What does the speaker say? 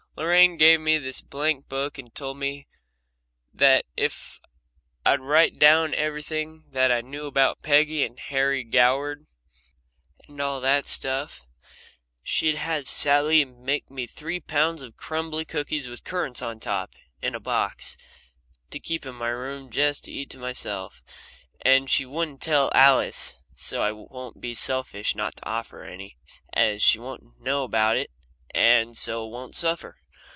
Lorraine gave me this blank book, and told me that if I'd write down everything that I knew about Peggy and Harry Goward and all that stuff, she'd have Sally make me three pounds of crumbly cookies with currants on top, in a box, to keep in my room just to eat myself, and she wouldn't tell Alice, so I won't be selfish not to offer her any as she won't know about it and so won't suffer.